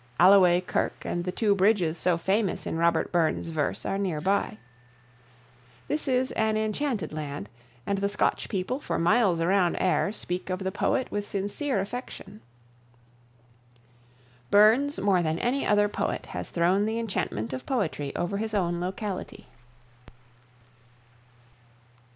Alloway Kirk and the two bridges so famous in Robert Burns's verse are near by. This is an enchanted land, and the Scotch people for miles around Ayr speak of the poet with sincere affection. Burns, more than any other poet, has thrown the enchantment of poetry over his own locality.